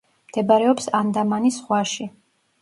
მდებარეობს ანდამანის ზღვაში.